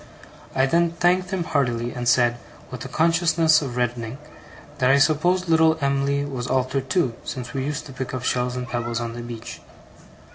I then thanked him heartily; and said, with a consciousness of reddening, that I supposed little Em'ly was altered too, since we used to pick up shells and pebbles on the beach?